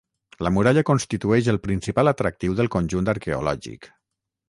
La muralla constitueix el principal atractiu del conjunt arqueològic.